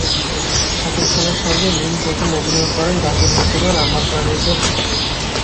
শাকিব খানের সঙ্গে মিম প্রথম অভিনয় করেন জাকির হোসেনের আমার প্রাণের প্রিয়া ছবিতে।